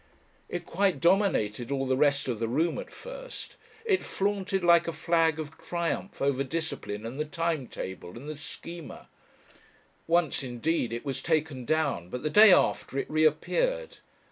It quite dominated all the rest of the room at first, it flaunted like a flag of triumph over "discipline" and the time table and the Schema. Once indeed it was taken down, but the day after it reappeared.